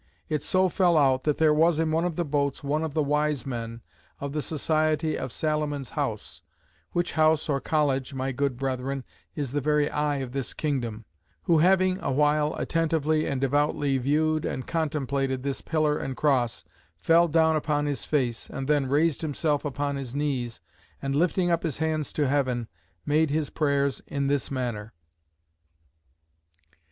It so fell out, that there was in one of the boats one of the wise men, of the society of Salomon's House; which house, or college (my good brethren) is the very eye of this kingdom; who having awhile attentively and devoutly viewed and contemplated this pillar and cross, fell down upon his face; and then raised himself upon his knees, and lifting up his hands to heaven, made his prayers in this manner.